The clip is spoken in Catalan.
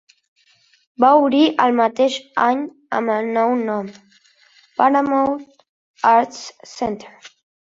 Va obrir al mateix any amb el nou nom "Paramount Arts Center".